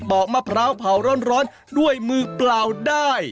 อกมะพร้าวเผาร้อนด้วยมือเปล่าได้